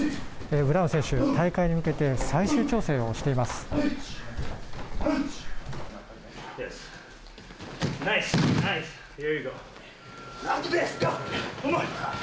ブラウン選手、大会に向けて最終調整をしています。